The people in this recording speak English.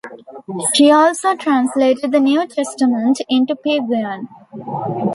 She also translated the New Testament into Peguan.